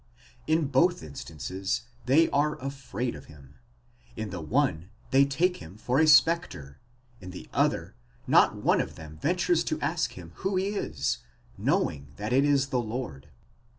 In both instances they are afraid of him ; in the one, they take him for a spectre, in the other, not one of them ventures to ask him who he is, knowing that tt is the Lord.